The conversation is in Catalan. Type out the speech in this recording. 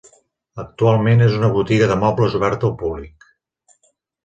Actualment és una botiga de mobles oberta al públic.